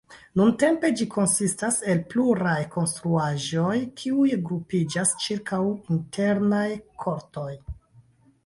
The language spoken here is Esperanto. Nuntempe ĝi konsistas el pluraj konstruaĵoj kiuj grupiĝas ĉirkaŭ internaj kortoj.